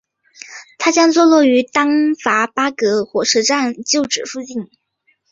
它将坐落于丹戎巴葛火车站旧址附近。